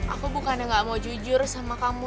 aku bukan yang gak mau jujur sama kamu